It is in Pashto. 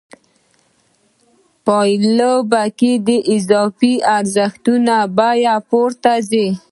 په پایله کې د اضافي ارزښت بیه پورته ځي